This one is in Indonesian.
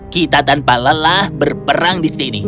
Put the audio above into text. kita tanpa lelah berperang di sini